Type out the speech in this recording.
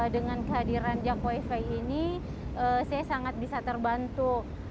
dengan kehadiran jak wifi ini saya sangat bisa terbantu